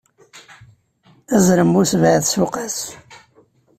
Azrem bu sebɛa tsuqqas.